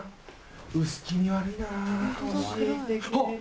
薄気味悪いな。